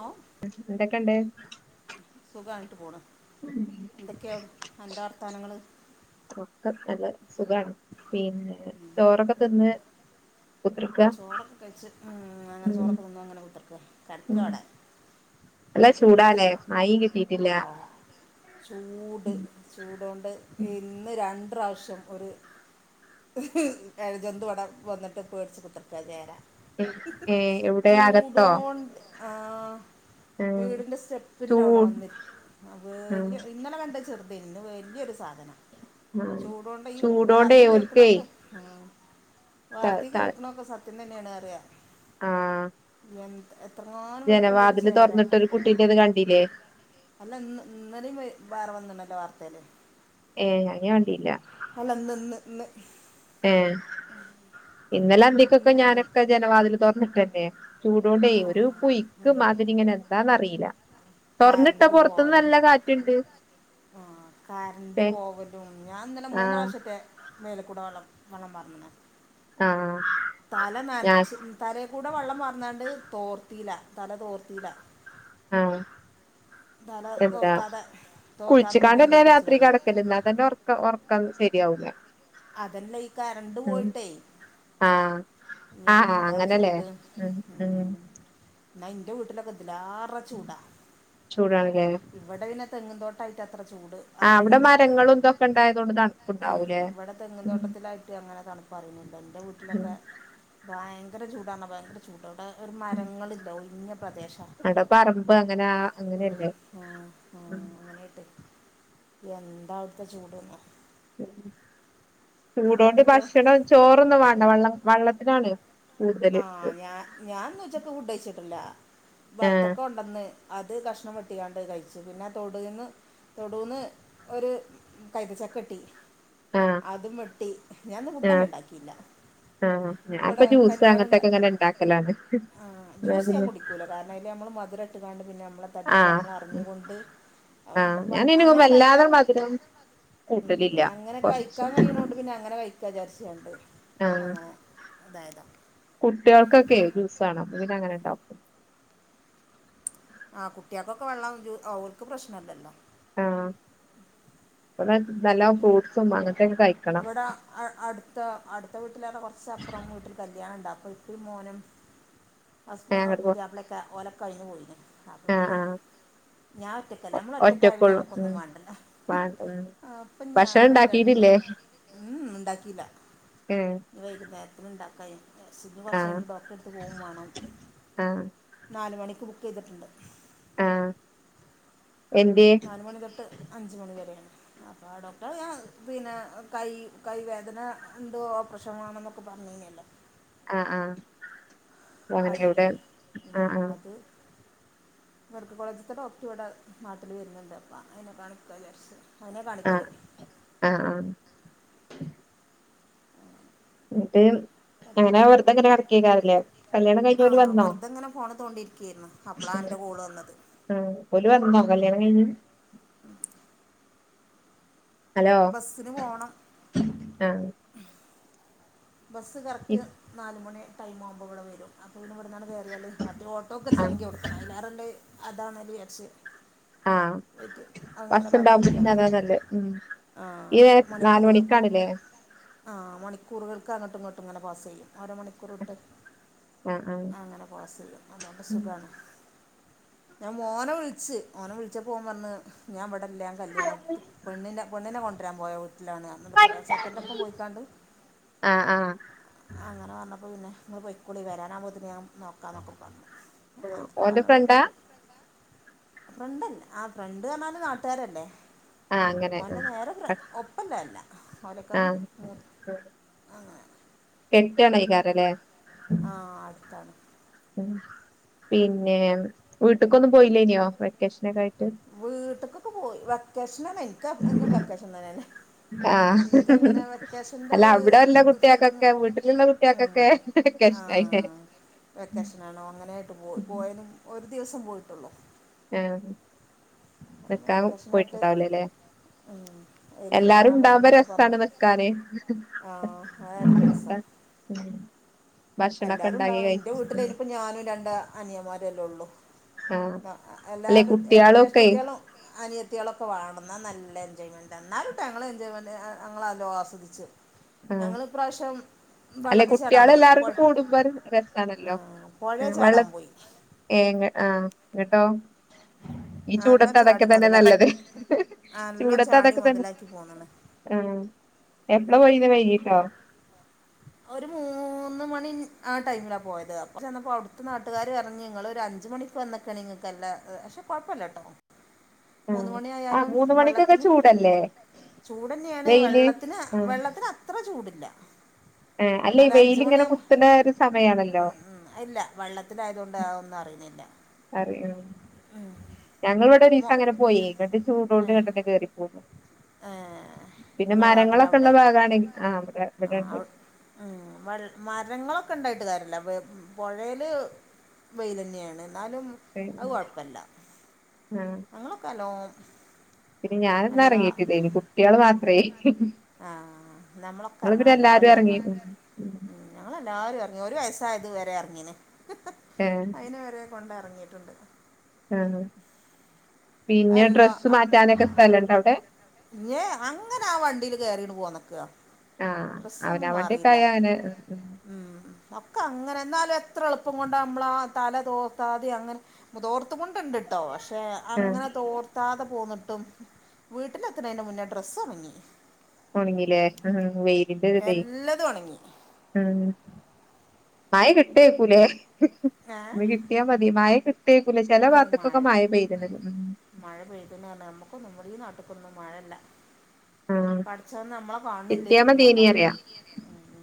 ഹേ. ന്തെക്കെണ്ട്? സുഖായ്ട്ട് പോണ് ഉം എന്തൊക്കെ അൻ്റെ വർതാനങ്ങള്? ഒക്കെ നല്ലത് സുഖാണ് പിന്നെ ചോറൊക്കെ തിന്ന് കുത്തർക്കാ? ചോറക്കെ കയ്ച്ച് ഉം അങ്ങനെ ചോറൊക്കെ തിണങ്ങനെ കുത്തർക്ക കടക്ക ഉം വടെ നല്ല ചൂടാലേ മഴിം കിട്ടി ആവു ചൂട് ചൂടൊണ്ട് ഇന്ന് രണ്ട് പ്രാശ്യം ഒര് എഴജന്തു അടെ വന്നിട്ട് പേട്ച്ച് കുത്തിർക്കാ ചേരാ ഏ എവിടെ അകത്തോ ചൂടോണ്ട് ആഹ് ഏ വീടിന്റെ ചൂ സ്റ്റെപ്പിൻന്റെ അവിടെ ഉം വന്നി അത് വല്യ ഇന്നലെ കണ്ട ചെറുതെയ്നി ഇന്ന് വലിയൊരു സാധനം ഉം ചൂടോണ്ട ഈ ചൂടോണ്ടേ വാർതി ഓൽക്കേ കേക്ക്ണൊക്കെ ഉം ത വാർത്തി കേക്ക്ണൊക്കെ സത്യം തന്നെയാണ് റിയ ആഹ് എൻ എത്രങ്ങാനു വലുപ്പല്ലൊരു ചേര കുട്ടിന്റെത് കണ്ടില്ലേ അല്ല ഇന്ന് ഇന്നലെയും വെ വേറെ വന്നിണല്ലോ വാർത്തേല് ഏഹ് അത് ഞൻ കണ്ടില്ല അല്ലന്ന്ന്ന് ഇന്ന് ഏഹ് ഇന്നലെ അന്തിക്കൊക്കെ ഇന്ന് വന്നു ഞാനൊക്കെ ജനവാതിൽ തൊറന്നിട്ടന്നെയ ചൂടോടെ ആ ഒരു പുയ്ക്ക് മാതിരിങ്ങനെ എന്താന്നറിയില്ല തൊർന്നിട്ടാ കറണ്ട് പൊറത്ത്ന്ന് നല്ല കാറ്റുണ്ട് ആഹ് കർന്റ് പോകലും ഞാൻ ഇന്നലെ മൂന്ന് ആഹ് പ്രാവശ്യ മേലേക്കൂടെ വ വെള്ളം പാർന്ന്ണ് ആഹ് തല ഞാൻ നൻച്ച് തലേക്കൂടെ വെള്ളം പാർന്നാണ്ട് തോർത്തിയില്ല തല തോർത്തില്ല ആഹ് തല എന്താ തോർത്താതെ തോർത്താതെ മുടിയാണ് കുളിച്ചിക്കാണ്ട്ന്നെ കെട്ടിച്ച് രാത്രി കിടന്നു കിടക്കല് ന്നാതന്നെ ഉറ ഉറക്കാന്ന് ശരിയാവുല അതന്നെ ഈ കറണ്ട് പോയിട്ടേ ആഹ് ആഹ് ആഹ് എന്താ അങ്ങനെല്ലേ ചൂട് ഉം എന്നാ എന്റെ വീട്ടിലൊക്കെ ഇതിലാറെ ചൂടാ ചൂടാണ്ലേ ഇവിടെ പിന്നെ തെങ്ങുംന്തോട്ടമായിട്ട് അത്ര ചൂട് ആഹ് അവിടെ അറിയുന്നില്ല മരങ്ങളു ന്തൊക്കെ ഉണ്ടായതോണ്ട് തണുപ്പ് ഉം ണ്ടാവൂലേ ഇവിടെ തെങ്ങന്തോട്ടത്തിലായിട്ട് അങ്ങനെ തണുപ്പറിയുന്നുണ്ട് എൻ്റെ ഉം വീട്ടിലൊക്കെ ഭയങ്കര ചൂടാണ ഭയങ്കര ചൂടാ അവിടെ ഒരു ഉം മരങ്ങളില്ല ഒഴിഞ്ഞ പ്രദേശാ അവടെ പറമ്പ് അങ്ങനെ ഉം അങ്ങനെയല്ലേ ആഹ് ഉം ആഹ് അങ്ങനെട്ട് എന്താ അടുത്തെ ചൂട്ന്ന് ഉ ചൂടോണ്ട് പിന്നെന്തൊക്കെയാ ഭക്ഷണം ചോറൊന്നും വേണ്ട വള്ളം വെള്ളത്തിനാണ് ആഹ് ഞാൻ ഞാൻന്ന് ഉച്ചക്ക് ഫുഡഴിച്ചിട്ടില്ല ആഹ് ബത്തക്കെ ഉണ്ടന്ന് അത് കഷ്ണം വെട്ടിക്കാണ്ട് കഴിച്ച് പിന്നെ തൊടുന്ന് തൊടുന്ന് ഒര് കൈതച്ചക്ക കിട്ടി ആഹ് അതും വെട്ടി ഞൻന്ന് ആഹ് ഫുഡന്നെ ഉണ്ടാക്കിയില്ല ആഹ് ഞാൻപ്പൊ ഇവിടെ കല്യാണം ഉണ്ടാ അങ്ങനത്തൊക്കെ ഇങ്ങനെ ഉണ്ടാക്കലാണ് പിന്നെ കാരണതിൽ നമ്മൾ മധുര ഇട്ടുകാണ്ട് പിന്നെ നമ്മെ ടിക്ക ആഹ് നമ്മളറിഞ്ഞൊണ്ട് ആഹ് ഞാനയ്ന് അങ്ങനെ വല്ലാതെ കഴിക്കന്ന് മധുരം ഉം കൂട്ടലില്ല അങ്ങനെ കൊറച്ച് കഴിക്കാൻ കഴിയണണ്ട് പിന്നെ അങ്ങനെ കഴിക്കാ ജാർച്കാണ്ട് ആഹ് അങ്ങനെ അതായത കുട്ടികൾക്കൊക്കെ ജൂസ്ണ് ഇങ്ങന അങ്ങനെ ഉണ്ടാവും ആഹ് കുട്ടികൾക്കൊക്കെ വെള്ളം അവൾക്ക് പ്രശ്നംല്ലല്ലോ? ആഹ് അടെ നല്ല ഫ്രൂട്ട്സും അങ്ങനത്തെയക്കെ കഴിക്ക ഇവിടെ അടുത്ത് അടുത്ത വീട്ടിലടെ കൊർച്ചപ്പുറം വീട്ടിൽ കല്യാണണം ഉണ്ടപ്പ പി മോനും ഹസ് അങ്ങട്ട് പോ പുതിയാപ്പളൊക്കെ ഓലെക്കെ അയ്ന് പോയിനിം അപ്പ ആഹ് പിന്നെ ആഹ് ഞാൻ ഒറ്റക്കല്ല നമ്മള ഒറ്റക്കായ പിന്നെ ഒറ്റക്കൊള്ളു ഉം ഞമ്മക്കൊന്നും മാണ്ടല്ലോ വാ ഉം അപ്പൊ ഭക്ഷണം ഞാൻ എന്താട്ടി [unintelligible] ഉം ഉണ്ടാക്കിയില്ല ഏഹ് ഇത് വൈകുന്ന നേരത്തിന് ഉണ്ടാക്ക വിജാരിച്ച് ഞ്ഞ് ആഹ് കൊർചൈഞ്ഞിട്ട് ഡോക്ടറെടുത്ത് പോകുമാണം ആഹ് നാല് മണിക്ക് ബുക്ക് ചെയ്തിട്ടുണ്ട് ആഹ് എന്ത്യോ രണ്ട് മണി തൊട്ട് അഞ്ച് മണിവരെ അപ്പൊ ഡോക്ടർ ഞാൻ പിന്നെ കൈ കൈ വേദന ണ്ട് ഓപ്പറേഷൻ വാണ പറഞ്ഞിനില്ല? ആഹ് ആഹ് അങ്ങനെ അതിന് ഇവിടെ ആഹ് ആഹ് മെഡിക്കൽകോളേജത്തെ ഡോക്ടർ ഇവിടെ നാട്ടിൽ വരുന്നുണ്ട് അപ്പ അതിനെ കാണികാ വിജാരിച്ച്അതിനെ കാണിക്കല് ആഹ് ആഹ് ആഹ് എന്നിട്ട് അങ്ങനെ വെർതെങ്ങനെകടകൈകാരവലേ? ആഹ് വെറുതെങ്ങനെ ഫോണ തോണ്ടിരിക്കയരുന്നു അപ്പളാ അന്റെ കോള് വന്നത് ആഹ് ഓല് വന്നോ കല്യാണം കഴിഞ്ഞ് ഹലോ ബസ്സിന് പോകണം ആഹ് ബസ്സ് ഇ കറക്റ്റ് നാല് മണി ടൈം ആകുമ്പോഇവടെ വരും. അപ്പൊ ഇന്ന ഇവിടുന്നാണ് കയറിയാലേ മറ്റേ ഓട്ടോക്കെഒരു ആഹ് സംഖ്യ കൊടുക്കണം അയ്ലാറനല്ലണ്അതാണ് വിജാരിച്ച് ആഹ് പറ്റ അങ്ങനെ ബസ്ണ്ടാവുമ്പോ കാത്തിരിക്ക പിന്നെ അതാ നല്ലെ ഉം ഈ ആഹ് നാല് മണിക്കൂറുകൾക്ക് മണിക്കാണ്ല്ലേ ആഹ് മണിക്കൂറുകൾക്ക് അങ്ങോട്ടും ഇങ്ങോട്ടും ഇങ്ങനെ പാസ് ചെയ്യും ഓരോ മണിക്കൂറ വിട്ട് ആഹ് ആഹ് അങ്ങനെ പാസ് ചെയ്യും അതുകൊണ്ട് സുഖണ് ഞാൻ മോനെ വിളിച്ച് ഓന വിളിച്ചാ ഓൻപറഞ്ഞ ഞാൻ ഇവിടെ എല്ലാം കല്യാണം പണ്ണിനെ പണ്ണിനെ കൊണ്ടരാൻ പോയ വിലാണ് എന്നി ചെക്കൻ്റ ഒപ്പം പോയിക്കാണ്ട് ആഹ് ആഹ് അങ്ങനെ പറഞ്ഞപ്പോൾ പിന്നെ ഇങ്ങള്പൊക്കൊളി വരാൻ ആഹ് കുമ്പോത്തിന് നോക്കാ എന്നൊക്കെ പറഞ്ഞു അങ്ങനെ ഓന്റെ പർഞ്ഞിട്ടുണ്ട്. ഫ്രണ്ടാ ഫ്രണ്ടല്ലെ ആഹ് ഫ്രണ്ട് പറഞ്ഞാലും നാട്ടുരെല്ലേ ആഹ് അങ്ങനെ ഓന്റെ നേരെ ആഹ് ഒപ്പല്ലല്ല ഓനക്കാ ആഹ് മൂത്ത അങ്ങനെ അടുത്തണെകാരല്ലേ ആഹ് അടുത്താണ് ഉം പിന്നെ വീട്ടക്കൊന്നും പോയില്ലയിനിയാ വെക്കേഷനക്കെ ആയിട്ട് വീട്ടക്കൊക്കെ പോയി വെക്കേഷനാണ് എനിക്ക് എന്നും വെക്കേഷൻ തന്നെ അല്ലെ ആഹ് അല്ല ഒരു അവിടെല്ല ഇത് ഫീലിങ് കുട്ടിയക്കൊക്കെ വീട്ടിലുള്ള കുട്ടികൾക്കൊക്കെ ആ വെക്കെഷൻ അല്ലേ വെക്കേഷനാണോ അങ്ങനൊയിട്ട് പോയി പോയാലും ഒരു ദിവസം പോയിട്ടുള്ളോ ആഹ് അങ്ങനെ നിക്കാൻ വെക്കേഷനായിട്ട് പോയിട്ടുണ്ടാവില്ലലേ എവിടെയും എല്ലാരും കറങ്ങാൻ പോകണം ഇണ്ടാവുമ്പോ എന്നൊക്കെ രസാണ് പറഞ്ഞു നിക്കാനെ ആ ഉം ഭക്ഷണൊക്കെ എല്ലാരും ഉണ്ടാക്കി ഉണ്ടാവും ഇന്റെ കഴിച്ച് വീട്ടിലനിപ്പോ ഞാനും രണ്ട് അനിയന്മാരല്ലേ ഉള്ളു ആഹ് അല്ലെ എല്ലാവരും ജേഷ്ട്ട കുട്ടികളൊക്കെ അനിയത്തികളൊക്കെ വാണംന്ന നല്ല എൻജോയ്മെന്റ് ന്നാലും എൻജോയ്മെന്റ്. ഞങ്ങളല്ലോ ആസ്വദിച്ചു ആഹ് ഞങ്ങള് ഈ പ്രാവശ്യം അല്ലെ കുട്ടികള് എല്ലാവാരും കൂടുമ്പോ ഒരു ആ, രസാണല്ലോ പുഴയിൽ വള്ള ചാടാൻ പോയി ഏ ആങ്ങട്ടോ ഈ നല്ല ചൂടത്ത് അതൊക്കെ ചാടി തന്നെ മുതലാക്കി നല്ലത് പോകും നല്ല ചൂടത്ത് ചാടി അതൊക്കെ തന്നെ മുതലാക്കി പോകുന്നു ആഹ് എപ്പളാ പൊയ് വൈകിട്ടോ ഒരു മൂന്ന് മണി ആഹ് ടൈമിലാ പോയത് അപ്പൊ ചെന്നപ്പോ അവ്ടുത്തെ നാട്ടുകാര് പറഞ്ഞ നിങ്ങള് ഒരു അഞ്ച്മണി ഇപ്പ വന്നൊക്കന്നൊക്കെയാണ് നിങ്ങൾക്ക്ല്ല പക്ഷെ കുഴപ്പല്ല ട്ടോ ആഹ് ആഹ് മൂന്ന് മണിക്കൊക്കെ ചൂടല്ലേ ചൂട്ന്നെയാണ് വെയില് വെള്ളത്തിന് ആഹ് വെള്ളത്തിന് അത്ര ചൂട്ല്ല അല്ലേ വെയിലിങ്ങനെ കുത്ത് ണെ ഒരു സമയാണല്ലോ അഹ് ഇല്ല വെള്ളത്തിലായതുകൊണ്ട് ഒന്നും അറിണില്ല കരയുണു ഞങ്ങ മോ ഇവിടെനിസ് അങ്ങനെ പോയി ങ്ങട്ട് ചൂടോണ്ട് ഇങ്ങട്ടന്നെ കയറി പോന്നു ഏഹ് പിന്നെ മരങ്ങളൊക്കെ ഉള്ള ഭാഗണങ്കി ആഹ് ഇവിടെ ഇവിടെണ്ട് ഉം മരങ്ങളൊക്കെ ഉണ്ടായിട്ട് കാര്യല്ല പുഴേല് വെയ്ലെന്നെണ് എന്നാലും ആഹ് നങ്ങൾക്കെല്ലോ പിന്നെ ഞാനൊന്നും എറങ്ങീട്ടില്ലയ്ന്നു കുട്ടേള് മാത്രേ ആഹ് നമ്മളൊക്കെ നിങ്ങള് എറങ്ങണം പിന്നെ എല്ലാരും ഇറങ്ങി എറങ്ങണം ഉം ഉം ഞങ്ങെല്ലാരും ഇറങ്ങി ഒരു വയസായത് വരെ ഇറങ്ങീന്ന് ഏ ഇപ്പണ്ടറങ്ങിയിട്ടുണ്ട് ആഹ് പിന്നെ അതല്ലോ ഡ്രസ്സ് മാറ്റാനൊക്കെ സ്ഥലണ്ട് അവിടെ ഞ അങ്ങനെ ആഹ് വണ്ടിൽ കേറീണ്ട് പോന്നക്കാ ആഹ് അവന അവണ്ടി തായൻ ഉം ഒക്കെ അങ്ങനെ എന്നാലും എത്ര എളുപ്പം കൊണ്ട നമ്മള തല തോതാ ദി അങ്ങനെ മുതോർത്ത് മുണ്ട്ണ്ട്ട്ടോ പക്ഷെ ആ അങ്ങനെ തോർത്താതെ പോന്നിട്ടും വീട്ടിലെത്ത് എത്തണേന്റെ മുന്നേ ഡ്രസ്സ് ഉണങ്ങി ഒണങ്ങി ലേ. ഉം വെയിലിന്റെ ഒര്തെയ് എല്ലതും ഉണങ്ങി ഉം മയ കിട്ടേക്കുലേ ഏ ഇന്ന് കിട്ടിയാ മതി. മഴ കിട്ട്വേക്കുലേ. ചെല ഭാത്ത്ക്കൊക്കെ മഴ പെയ്ത്ണ് ഉം മഴ പെയ്ത്ണ്പർഞ്. നമ്മുക്കൊന്നും ഈ നാട്ട്ക്കൊന്നും മഴല്ല. ആ പഠച്ചോൻ നമ്മളെ കിട്ടിയാ കാൺണില്ലേക്കും മതിയേനി അല്ലാ, പറയാ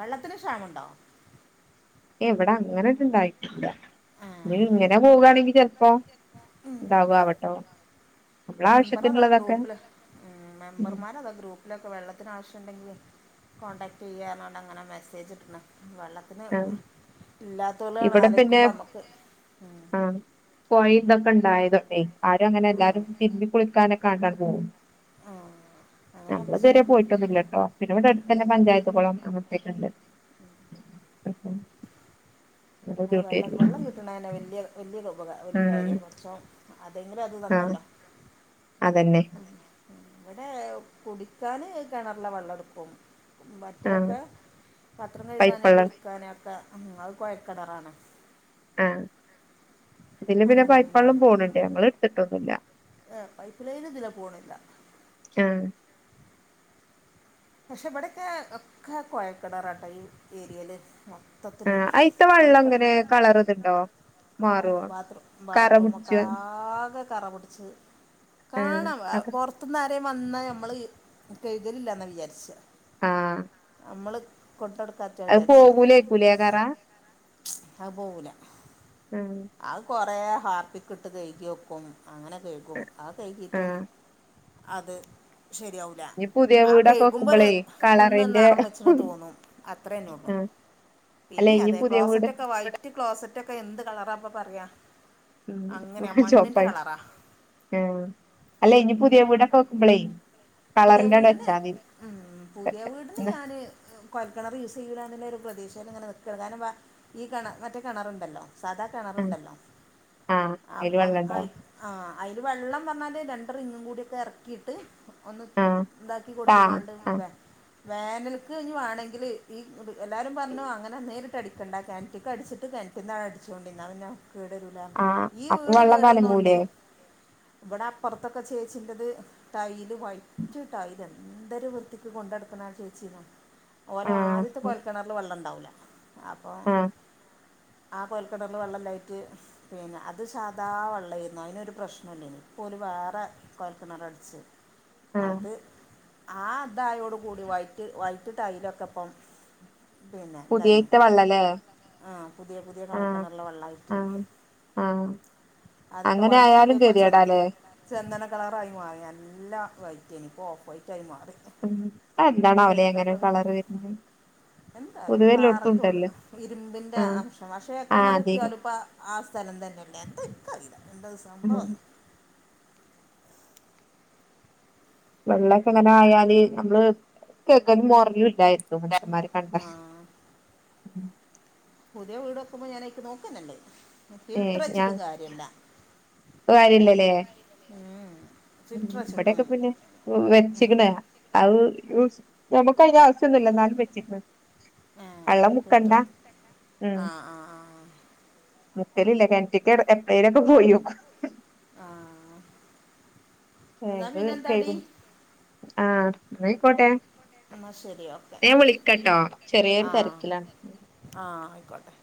വെള്ളത്തിന് ക്ഷാമണ്ടൊ? ഏയ് ഇവടെ അങ്ങനെ ട്ട് ഇണ്ടായിട്ടൂല. ഏഹ് ഇനിഇങ്ങനെ പോവാണെങ്കി ചെൽപ്പം ണ്ടാവോ ആവട്ടോ മെമ്പറതാ ഗ്രൂപ്പില് ഉം ഉം മെമ്പർമാരതാ ഗ്രൂ പ്പ്ലൊക്കെ വെള്ളത്തിന് ആവശ്യണ്ടെങ്കി കോൺടാക്ട് ചെയ്യാ ർഞ്ഞാണ്ട് അങ്ങനെ മെസ്സേജ് ഇട്ട്ണ്. വെള്ള ത്തിന് ആഹ് ഇല്ലാതോലെ ണ് ഇവിടെ പിന്നെ ആലോയിക്കുമ്പം അമക്ക് പൊഴിം ഇതൊക്കെ ഉണ്ടായതോണ്ടെ ആരും അങ്ങനെ ആഹ് എല്ലാരും തിരുമ്പികുളിക്കാനൊക്കെ ആണ്ടണ്ട് പോവും. ആഹ് അങ്ങനെയാകുമ്പോ നമ്മള്തുവരെ സുഖാ പോയിട്ടൊന്നുല്ലട്ടോ. പിന്നെ ഇവടെ അടുത്തന്നെ പഞ്ചായത്തുകൊളം അങ്ങനത്തേക്ണ്ട്. അത് ബുദ്ധിമുട്ട് വെള്ളം വരൂല വെള്ളം കിട്ടണന്നെ വലിയ വല്യൊരു ഉപകാ വല്യ ഉം കാര്യാ പടച്ചോൻ അതേങ്കിലും അത് ആഹ് തന്നല്ലോ. അതന്നെ ഇവടെ കുടിക്കാന് കെണറിലെ വെള്ള ട്ക്കും. ആഹ് മറ്റതൊക്കെ പാത്രം കഴികാന് പൈപ്പള്ളം കുളിക്കാന് ഒക്കെ അത് കുഴൽ ക്കണറാണ് ആഹ്. ഇതിന് പിന്നെ അങ്ങനെ പൈപ്പള്ളും പോണ് ണ്ട്. ഞങ്ങള് ഇട്ത്തിട്ടൊന്നുല്ല ഏഹ് പൈപ്പ് ലൈന് ഇതിലെ പോണില്ല. ആഹ് പഷെ ഇവടൊക്കെ ഒക്കെ കൊഴൽകെണറാട്ടോ ഈ ഏരിയേല് മൊ ആഹ്. അയ്ത്ത വെള്ളം ങ്ങനെ കളറ്ത്ണ്ടോ? ആവു. ബാത്‌റൂ പിടിച്ചോ ബാത്രൂമൊക്കാകെ കറ പുട്ച്ച്, ആഹ് കാണാൻ വ പൊർ ത്ത്ന്നാരേം വന്നാ നമ്മൾ കഴ്കലില്ലാ ന്ന വിചാരിച്ച. ആഹ് നമ്മള് കൊണ്ടട്ക്കായിട്ട അത് വിചാര്ച്യാ. പോകൂലേക്കൂലേ കറ അഹ് പോവൂല. ഉം അത് കൊറെ ഹാർപ്പിക്ക്ട്ട് കഴുകിയേക്കും അങ്ങനെ കഴ് ക്കും ആ കഴ്കീട്ടും ആഹ് അത് ശരിയാവൂ ഇനി പുതിയ വീടൊക്കെവെക് മ്പൊര് ഒന്നൊന്ന് നറം ബെച്ച്ണ് തോന്നും. അത്രന്നെ ഒള്ളു. ആഹ് അല്ല പിന്നി ഇനി അതെ. പുതിയ വീട് ക്ലോസറ്റൊക്കെ വൈറ്റ് ക്ലോസറ്റൊക്കെ എന്ത് കളറാ പ്പ പറ്യ. അങ്ങനെ മണ്ണ്ന്റെ കളറാ. ഏഹ്. അല്ല ഇനി പുതിയ വീടൊക്കെ വെക്കുമ്പളേ പുതിയ കളറിന്റെ അവിടെ വീടിന് വെച്ചാതി മ് പുതിയ വീടിന് ഞാന് കൊയൽകെണർ യൂസെയ്യൂല ന്നുള്ളൊരു പ്രതീശേല്ങ്ങനെ നിക്കാണ്. കാരണം വ ഈ കിണ മറ്റേ കെണറ്ണ്ടല്ലോ സാദാ കിണറ്ണ്ടല്ലോ ആഹ് അയില് അപ്പം വെള്ളം അയ് ഇണ്ടാവും ആഹ് അയ്ല് വെള്ളം പറഞ്ഞാല് രണ്ട് റിങ്ങും കൂടിയൊക്കെ എർക്കീട്ട് ഒന്ന് ആഹ് ഇതാക്കി താ കൊടുത്ത് ക്കാണ്ട് ആഹ് വേ വേനൽക്ക് ഞ് വേണങ്കിൽ ഈ എല്ലാരും പർഞ്ഞു അങ്ങനെ നേരിട്ട് അടിക്കണ്ട കെൻറ്റ്ക്കട്ച്ച് ട്ട് കെൻറ്റ്ന്നാണ്ടട്ച്ചോണ്ടി ന്നാ പിന്നെ കേടരൂല ആഹ് ഈ അപ്പൊ വീട് വെള്ളം കേടന്നോണ്ടേ കലങ്ങൂലേ ഇവടെ അപ്പൊർത്തൊക്കെ ചേച്ചിന്റെത് ടൈല് വൈ റ്റ് ടൈല് എന്തര് വൃത്തിക്ക് കൊണ്ടടുക്ക്ണാ ചേച്ചി ന്നൊ ഓലാദ്യത്തെ ആഹ് കൊയൽകെണ ള് വള്ളണ്ടാവൂല. അപ്പം ആഹ് ആ കൊയൽകെണർല് വെള്ളല്ലായിട്ട് പിന്നെ അത് സാദാ വെള്ളേര്ന്നു. അയ്‌നൊരു പ്രശ്നൂല്ലേനി. ഇപ്പോല് വേറെ കൊഴൽകിണറട്ച് ആഹ് അത് ആ ദാ യോടു കൂടി വൈറ്റ് വൈറ്റ് ടൈലൊക്കെപ്പം പിന്നെ തായ്ന് പുതിയത്തെ വെള്ളല്ലേ ആഹ് പുതിയ പുതിയ ആഹ് കൊയൽകെണർലെ വെള്ളായിട്ട് ആഹ് ആഹ് അങ്ങനായാലും കെത്യേടാലേ ചെന്ദന കളറായി മാറി. നല്ല വൈറ്റെനി ഇപ്പോ ഓഫ് വൈറ്റായി മാറീന്. അഎന്താണാവലെ അങ്ങനെ കളർ വര്നെ എന്താറില പാറന്റുള്ള്ലോ ഇരുമ്പിന്റെ ആഹ് അംശം പഷേ ആഹ് അതെ കെണറുത്യാലും പ്പ ആ സ്ഥലം തന്നെല്ലേ എന്ത ൻകറീല എന്ത ഉം സംഭവംന്ന് വെള്ളൊക്കെ ങ്ങനായാല് നമ്മള് കെക്കലും മോർലും ല്ലായിരുന്നു മരുകണ്ട ആ പുത്യേ വീടെക്കുമ്പോ ഞാനയ്ക്ക് നോക്കന്നെല്ലേ ഏ ഫിൽട്ടർ ച്ചിട്ടും ഞങ്ങക്ക് കാര്യല്ല മ്മ് വിടൊക്കെ പിന്നെ വെച്ചിക്ണ് അഹ് നമ്മക്കയ്ന്റാ ന്നില്ല ന്നാലും വെച്ചിക്ണ് ആ വള്ളം മുക്കണ്ട ഫിൽറ്റർ മ് ആ ആ മുക്കലില്ല കന്റ്ക്ക എട് എപ്പേലൊക്കെ പോയോക്കും ആഹ് ന്നാ പിന്നെന്താ ടി ആഹ് ന്നയ്ക്കോട്ടെ എന്നാൽ ശരി ഓക്കെ ഞാ വിളിക്കട്ടോ ചെറ്യോര് തെര്ക്കിലാണ് ആഹ് അയ്ക്കോട്ടെ